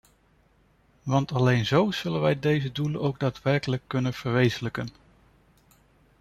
Want alleen zo zullen wij deze doelen ook daadwerkelijk kunnen verwezenlijken.